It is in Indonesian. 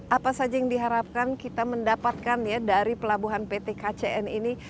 apa saja yang diharapkan kita mendapatkan ya dari pelabuhan pt kcn ini